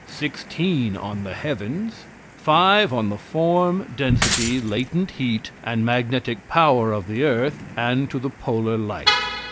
Sixteen on the heavens. Five on the form, density, latent heat, and magnetic power of the earth, and to the polar light.